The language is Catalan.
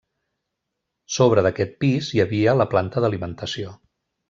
Sobre d'aquest pis hi havia la planta d'alimentació.